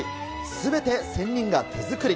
すべて仙人が手作り。